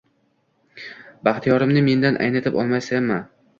Baxtiyorimni mendan aynitib olmasaydi